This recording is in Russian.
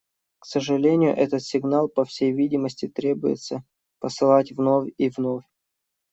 К сожалению, этот сигнал, по всей видимости, требуется посылать вновь и вновь.